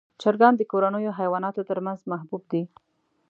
چرګان د کورنیو حیواناتو تر منځ محبوب دي.